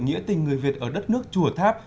nghĩa tình người việt ở đất nước chùa tháp